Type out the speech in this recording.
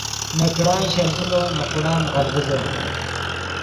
نے کڑان شل ڤیزو نے خوڑان غل ڤیزو